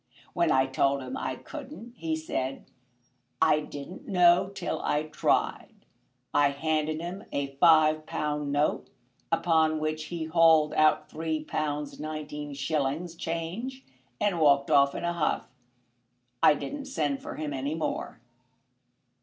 When I told him I couldn't he said I didn't know till I tried. I handed him a five pound note, upon which he hauled out three pounds nineteen shillings change and walked off in a huff. I didn't send for him any more."